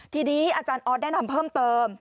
ทีนี้อาจารย์ออสแนะนำเพิ่มเติม